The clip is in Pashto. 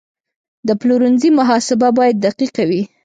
د پلورنځي محاسبه باید دقیقه وي.